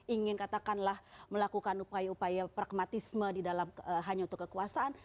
ingin katakanlah melakukan upaya upaya pragmatisme di dalam hanya untuk kekuasaan